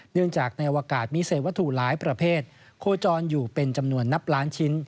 เนื่องจากในอวกาศมีเศษวัตถุหลายประเภทโคจรอยู่เป็นจำนวนนับล้านชิ้น